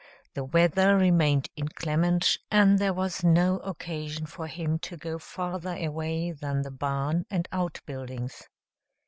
The weather remained inclement and there was no occasion for him to go farther away than the barn and outbuildings.